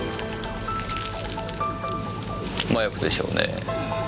麻薬でしょうね。